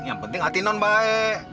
yang penting hati non baik